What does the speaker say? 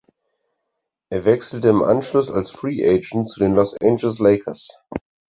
Er wechselte im Anschluss als Free Agent zu den Los Angeles Lakers.